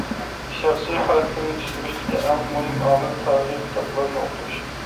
شەخسى خاراكتېر يېتىشتۈرۈشتىكى ئەڭ مۇھىم ئامىل — تارىخىي كىتابلارنى ئوقۇش.